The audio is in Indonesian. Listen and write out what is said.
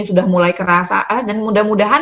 sudah mulai kerasa dan mudah mudahan